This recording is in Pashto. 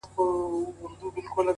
ته په څه منډي وهې موړ يې له ځانه،